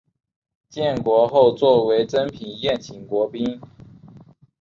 建国后作为珍品宴请国宾。